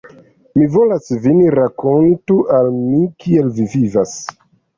Mi petas vin, rakontu al mi, kiel vi vivas.